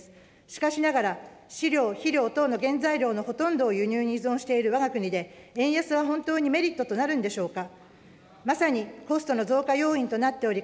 しかしながら、飼料・肥料等の原材料のほとんどを輸入に依存しているわが国で、円安は本当にメリットとなるんでしょうか。